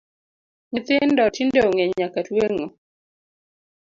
Nyithindo tinde ong’e nyaka tueng’o